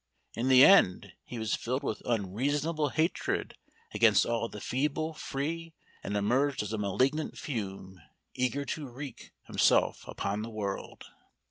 In the end he was filled with unreasonable hatred against all the feeble free, and emerged as a malignant fume, eager to wreak himself upon the world.